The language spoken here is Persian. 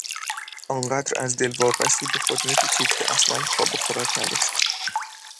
آنقدر از دلواپسی به خود میپیچید که اصلا خواب و خوراک نداشت.